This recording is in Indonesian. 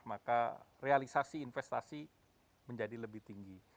maka realisasi investasi menjadi lebih tinggi